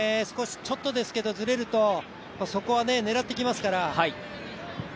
ちょっとですけど、ずれるとそこは狙ってきますから。